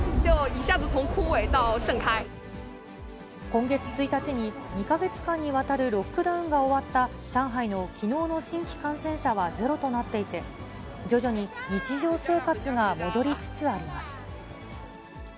今月１日に、２か月間にわたるロックダウンが終わった上海のきのうの新規感染者はゼロとなっていて、徐々に日常生活が戻りつつあります。